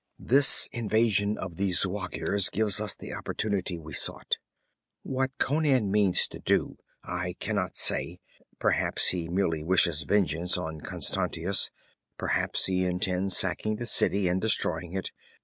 'This invasion of the Zuagirs gives us the opportunity we sought. What Conan means to do, I can not say. Perhaps he merely wishes vengeance on Constantius. Perhaps he intends sacking the city and destroying it.